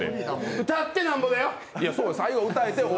歌ってなんぼだよ。